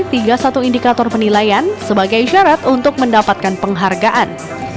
tiga satu indikator penilaian sebagai syarat untuk mendapatkan penghargaan